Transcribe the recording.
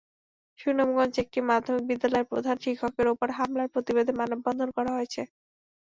সুনামগঞ্জে একটি মাধ্যমিক বিদ্যালয়ের প্রধান শিক্ষকের ওপর হামলার প্রতিবাদে মানববন্ধন করা হয়েছে।